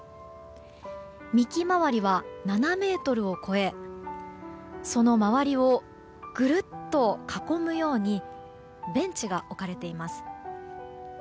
幹回りは７ｍを超えその周りをぐるっと囲むようにベンチが置かれています。